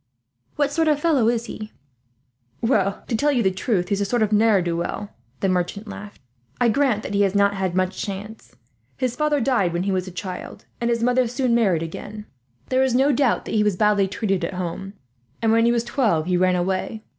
"What sort of a fellow is he?" "Well, to tell you the truth he is a sort of ne'er do well," the merchant laughed. "I grant that he has not had much chance. His father died when he was a child, and his mother soon married again. There is no doubt that he was badly treated at home, and when he was twelve he ran away.